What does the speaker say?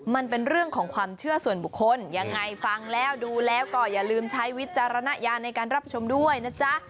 มันเป็นเรื่องของความเชื่อส่วนบุคคลยังไงฟังแล้วดูแล้วก็อย่าลืมใช้วิจารณญาณในการรับชมด้วยนะจ๊ะ